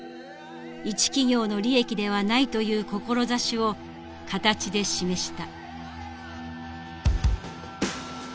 一企業の利益ではないという志を形で示した。